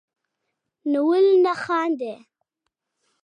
نو ولي نه خاندئ